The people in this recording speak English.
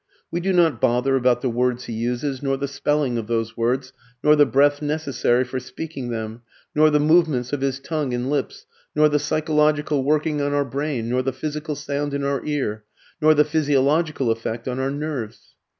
We do not bother about the words he uses, nor the spelling of those words, nor the breath necessary for speaking them, nor the movements of his tongue and lips, nor the psychological working on our brain, nor the physical sound in our ear, nor the physiological effect on our nerves.